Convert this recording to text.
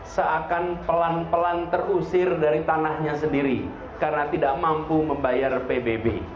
seakan pelan pelan terusir dari tanahnya sendiri karena tidak mampu membayar pbb